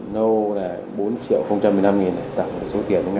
lô là bốn triệu một mươi năm nghìn tặng số tiền từng ngày